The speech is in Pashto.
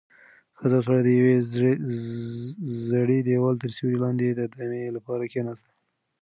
ښځه او سړی د یوې زړې دېوال تر سیوري لاندې د دم لپاره کېناستل.